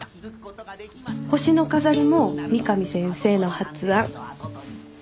星の飾りも三上先生の発案。